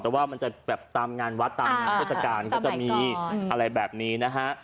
แต่ว่าตามงานวัดตามงานเทศกาลของท่านก็จะมีอะไรแบบนี้นะฮะ